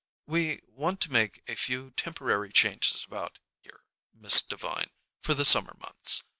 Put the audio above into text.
"We want to make a few temporary changes about here, Miss Devine, for the summer months.